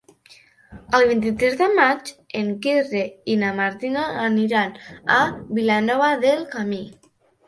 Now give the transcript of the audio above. El vint-i-tres de maig en Quirze i na Martina aniran a Vilanova del Camí.